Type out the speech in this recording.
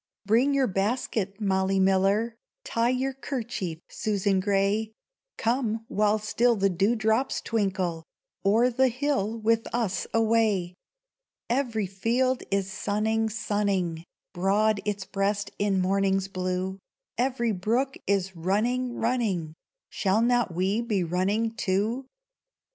BRING your basket, Molly Miller, Tie your kerchief, Susan Gray! Come, while still the dewdrops twinkle, O'er the hill with us away. Every field is sunning, sunning Broad its breast in morning's blue; Every brook is running, running, Shall not we be running, too?